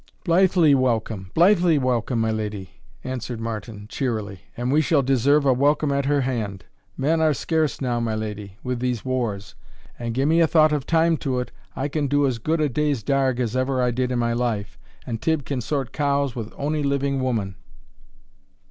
"Blithely welcome, blithely welcome, my leddy," answered Martin, cheerily, "and we shall deserve a welcome at her hand. Men are scarce now, my leddy, with these wars; and gie me a thought of time to it, I can do as good a day's darg as ever I did in my life, and Tibb can sort cows with ony living woman."